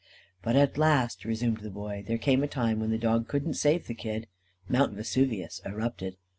"But at last," resumed the Boy, "there came a time when the dog couldn't save the kid. Mount Vesuvius erupted.